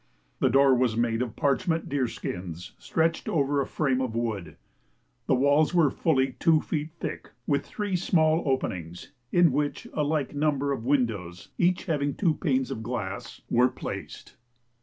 The door was made of parchment deer skins stretched over a frame of wood. The walls were fully two feet thick, with three small openings, in which a like number of windows, each having two panes of glass, were placed.